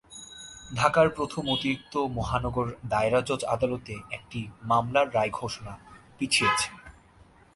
ঢাকার প্রথম অতিরিক্ত মহানগর দায়রা জজ আদালতে একটি মামলার রায় ঘোষণা পিছিয়েছে।